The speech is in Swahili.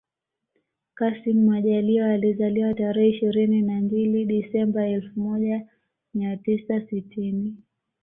Kassim Majaliwa alizaliwa tarehe ishirini na mbili Disemba elfu moja mia tisa sitini